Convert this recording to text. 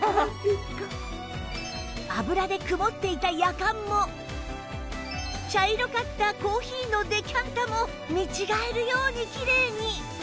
油で曇っていたヤカンも茶色かったコーヒーのデキャンタも見違えるようにきれいに！